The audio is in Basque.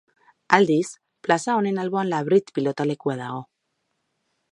Aldiz, plaza honen alboan Labrit pilotalekua dago.